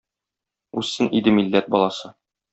Үссен иде милләт баласы.